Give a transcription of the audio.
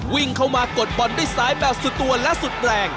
วิ่งเข้ามากดบอลด้วยซ้ายแบบสุดตัวและสุดแรง